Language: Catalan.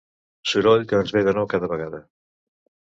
Soroll que ens ve de nou cada vegada.